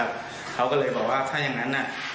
ให้ผมมาเช็คกระทั่งที่บ้านนี่ไหมว่า